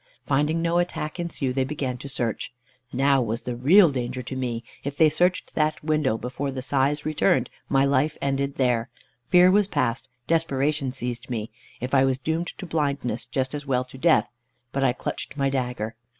Finding no attack ensue, they began to search. Now was the real danger to me. If they searched that window before the size returned, my life ended there. Fear was past. Desperation seized me. If I was doomed to blindness, just as well to death. But I clutched my dagger.